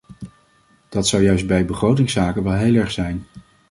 Dat zou juist bij begrotingszaken wel heel erg zijn.